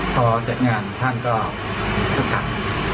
พอเสร็จงานท่านก็คึกคัก